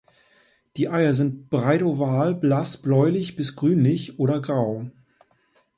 Die Eier sind breitoval, blass bläulich bis grünlich oder grau.